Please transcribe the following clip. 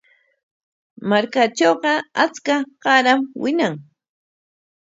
Markaatrawqa achka qaaram wiñan.